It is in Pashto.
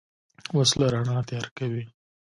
وسله رڼا تیاره کوي